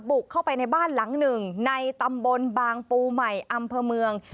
บุกเข้าไปในบ้านหลังหนึ่งในตำบลบางปูใหม่อำเภอเมือง